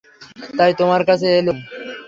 তাই তোমার কাছে এলুম।